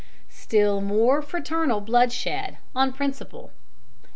STILL MORE FRATERNAL BLOODSHED, ON PRINCIPLE.